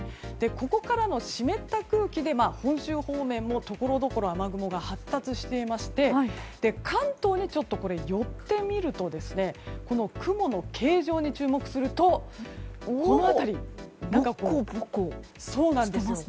ここからの湿った空気で本州方面もところどころ雨雲が発達していまして関東にちょっと寄ってみると雲の形状に注目するとボコボコしてますね。